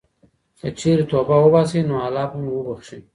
که چېرې توبه وباسئ، نو الله به مو وبښي.